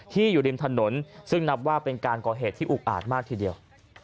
อยู่ริมถนนซึ่งนับว่าเป็นการก่อเหตุที่อุกอาจมากทีเดียว